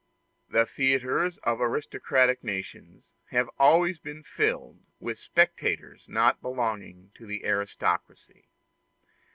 The theatres of aristocratic nations have always been filled with spectators not belonging to the aristocracy.